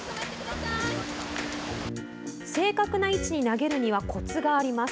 正確な位置に投げるにはコツがあります。